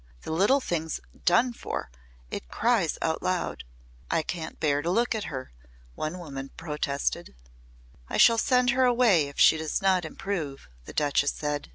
The little thing's done for. It cries out aloud. I can't bear to look at her," one woman protested. "I shall send her away if she does not improve," the Duchess said.